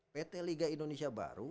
pt liga indonesia baru